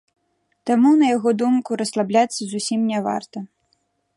Таму, на яго думку, расслабляцца зусім не варта.